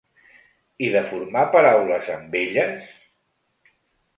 I de formar paraules amb elles?